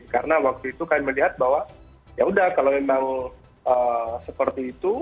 karena waktu itu kami melihat bahwa ya sudah kalau memang seperti itu